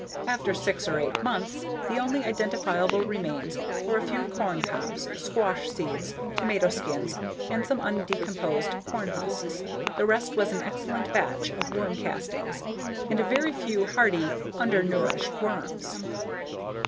After six to eight months, the only identifiable remains were a few corn cobs, squash seeds, tomato skins and some undecomposed corn husks. The rest was an excellent batch of worm castings and a very few hardy, undernourished worms."